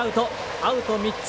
アウト３つ。